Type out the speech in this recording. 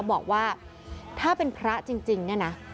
บอกว่าถ้าเป็นพระจริงเนี่ยนะ